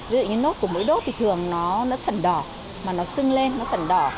ví dụ như nốt của mũi đốt thì thường nó sần đỏ mà nó sưng lên nó sần đỏ